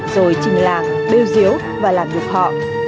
rồi trình làng bêu diếu và làm đục họ